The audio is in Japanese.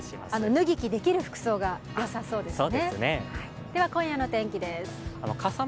脱ぎ着できる服装が良さそうですね。